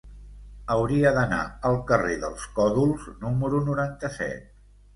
Hauria d'anar al carrer dels Còdols número noranta-set.